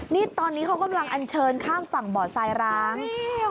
นี่ตอนนี้เขากำลังอันเชิญข้ามฝั่งบ่อทรายร้าง